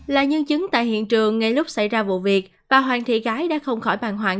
là nhân chứng tại hiện trường ngay lúc xảy ra vụ việc bà hoàng thị gái đã không khỏi bàng hoàng